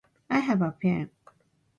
I have a pen.